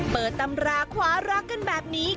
ตำราคว้ารักกันแบบนี้